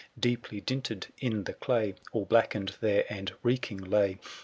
Deeply dinted in the clay, 1010 All blackened there and reeking lay.